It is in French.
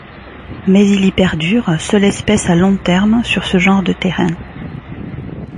Mais il y perdure, seule espèce à long terme sur ce genre de terrains.